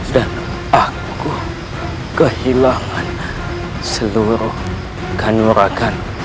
dan aku kehilangan seluruh kanurakan